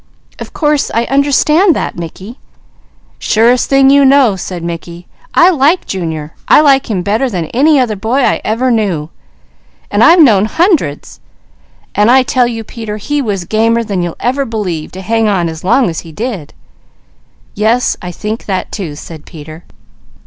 "Of course I understand that, Mickey." "Surest thing you know!" said Mickey. "I like Junior. I like him better than any other boy I ever knew, and I've known hundreds. I tell you Peter, he was gamer than you'll ever believe to hang on as long as he did." "Yes I think that too," said Peter.